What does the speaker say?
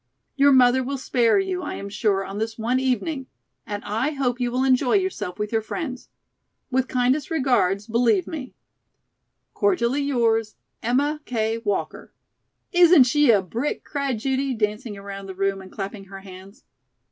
Your mother will spare you, I am sure, on this one evening, and I hope you will enjoy yourself with your friends. With kindest regards, believe me, "'Cordially yours, "'EMMA K. WALKER.'" "Isn't she a brick?" cried Judy, dancing around the room and clapping her hands.